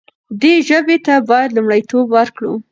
دې ژبې ته باید لومړیتوب ورکړو.